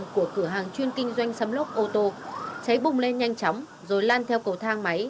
của cửa hàng chuyên kinh doanh sâm lốc ô tô cháy bùng lên nhanh chóng rồi lan theo cầu thang máy